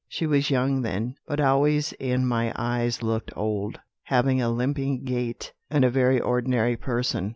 She was young then, but always in my eyes looked old, having a limping gait, and a very ordinary person.